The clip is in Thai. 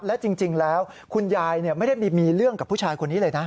และจริงแล้วคุณยายไม่ได้มีเรื่องกับผู้ชายคนนี้เลยนะ